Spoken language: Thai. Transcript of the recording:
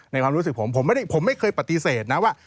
ความรู้สึกผมผมไม่เคยปฏิเสธนะว่า